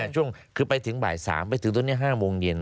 ช่วงคือไปถึงบ่าย๓ไปถึงตรงนี้๕โมงเย็น